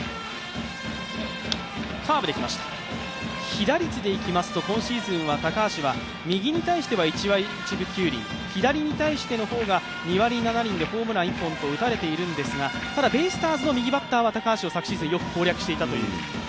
被打率でいきますと高橋右に対しては１割１分９厘、左に対しての方２割７厘で打たれているんですが、ホームラン１本と打たれているんですが、ただベイスターズの右バッターは高橋を昨シーズンよく攻略していたという。